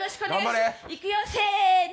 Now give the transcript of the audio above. いくよ、せーの。